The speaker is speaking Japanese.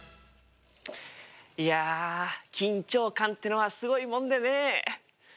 いや緊張感ってのはすごいもんでね。